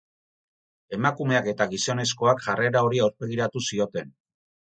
Emakumeak eta gizonezkoak jarrera hori aurpegiratu zioten.